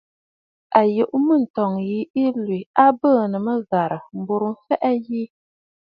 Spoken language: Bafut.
À yùʼù mə̂, ǹtɔ̂ŋ yi ɨ lwî, a bɨɨ̀nə̀ mə ghàrə̀, m̀burə mfɛʼɛ ghɛ̀ɛ̀ ƴi.